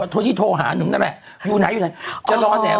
โทษที่โทรหาหนึ่งนะแม้อยู่ไหนอยู่ไหน